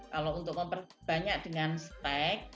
kalau untuk memperbanyak dengan stek